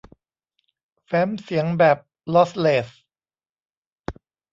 แฟ้มเสียงแบบลอสเลส